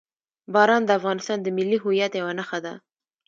باران د افغانستان د ملي هویت یوه نښه ده.